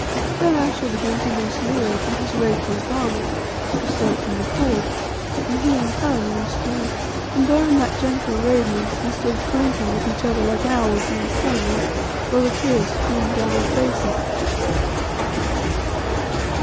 Then Ayesha began to loose Leo from his ray proof armour, if so it can be called, and he in turn loosed me; and there in that gentle radiance we stood blinking at each other like owls in the sunlight, while the tears streamed down our faces.